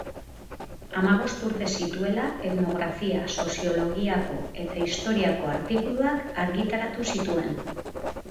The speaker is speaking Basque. Hamabost urte zituela etnografia, soziologiako eta historiako artikuluak argitaratu zituen.